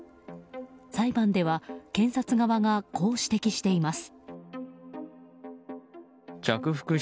裁判では検察側がこう指摘しています。